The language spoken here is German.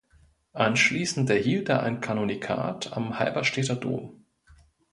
Anschließend erhielt er ein Kanonikat am Halberstädter Dom.